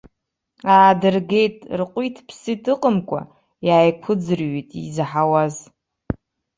Аадыргеит, рҟәиҭ-ԥсит ыҟамкәа, иааиқәыӡырҩит изаҳауаз.